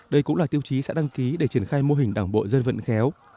đây cũng là tiêu chí sẽ đăng ký để triển khai mô hình đảng bộ dân vận khéo